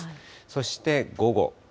そして午後。